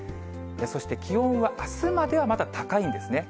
そして気温は、あすまではまだ高いんですね。